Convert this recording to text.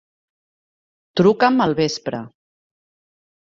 Truca'm al vespre.